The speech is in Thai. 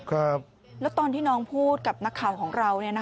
แล้วตอนที่น้องพูดกับนักข่าวของเรา